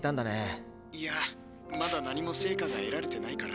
いやまだ何も成果が得られてないからさ。